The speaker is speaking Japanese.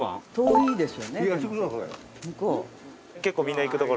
結構みんな行く所？